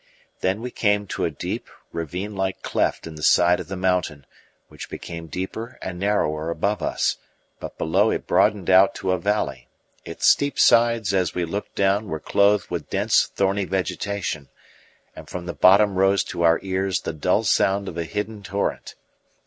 Then we came to a deep, ravine like cleft in the side of the mountain, which became deeper and narrower above us, but below it broadened out to a valley; its steep sides as we looked down were clothed with dense, thorny vegetation, and from the bottom rose to our ears the dull sound of a hidden torrent.